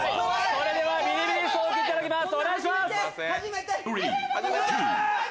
それではビリビリ椅子を受けていただきます！